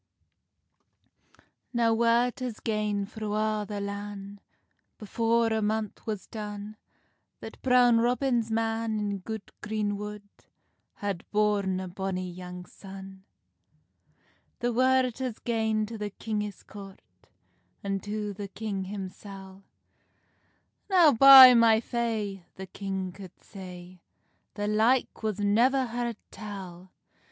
Now word has gane thro a' the lan, Before a month was done, That Brown Robin's man, in good green wood, Had born a bonny young son. The word has gane to the kingis court, An to the king himsel; "Now, by my fay," the king could say, "The like was never heard tell!"